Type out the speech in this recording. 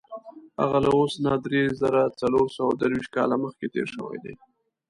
هغه له اوس نه دری زره څلور سوه درویشت کاله مخکې تېر شوی دی.